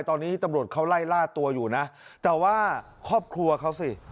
ตอนนี้ตำรวจเขาไล่ล่าตัวอยู่นะแต่ว่าครอบครัวเขาสิ